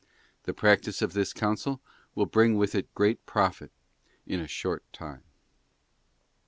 The practice of this counsel will bring with it great profit in a short time.